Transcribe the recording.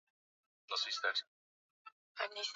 Nitakwenda kwa gari.